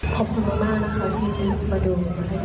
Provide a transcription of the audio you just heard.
ขอบคุณมากนะคะชีวิตมาดูให้กำลังใจข้างใน